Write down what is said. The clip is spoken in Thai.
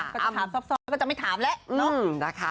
ก็จะถามซอบแล้วก็จะไม่ถามแล้วเนาะ